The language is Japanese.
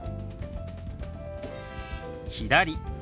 「左」。